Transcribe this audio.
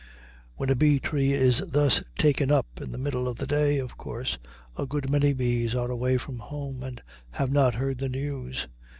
When a bee tree is thus "taken up" in the middle of the day, of course a good many bees are away from home and have not heard the news.